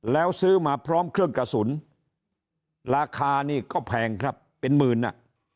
แล้วซื้อมาพร้อมเครื่องกระสุนราคานี่ก็แพงครับเป็นหมื่นอ่ะ